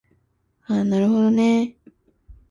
あなるほどね